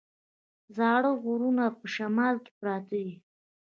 زاړه غرونه یې په شمال کې پراته دي.